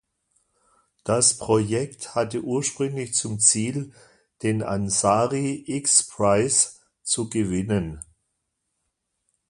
Das Projekt hatte ursprünglich zum Ziel, den Ansari X-Prize zu gewinnen.